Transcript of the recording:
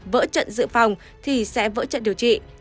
vỡ trận dự phòng thì sẽ vỡ trận điều trị